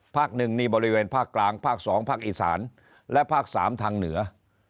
หนึ่งนี่บริเวณภาคกลางภาค๒ภาคอีสานและภาค๓ทางเหนือ